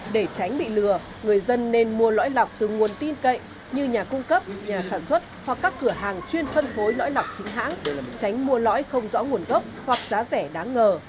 để tránh bị lừa người dân nên mua lõi lọc từ nguồn tin cậy như nhà cung cấp nhà sản xuất hoặc các cửa hàng chuyên phân phối lõi lọc chính hãng tránh mua lõi không rõ nguồn gốc hoặc giá rẻ đáng ngờ